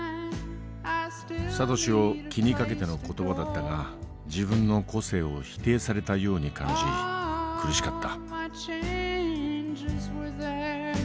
サトシを気にかけての言葉だったが自分の個性を否定されたように感じ苦しかった。